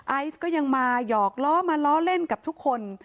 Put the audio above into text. ไอซ์ก็ยังมาหยอกล้อมาล้อเล่นกับทุกคน